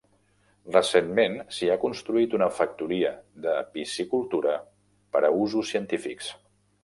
Recentment s'hi ha construït una factoria de piscicultura per a usos científics.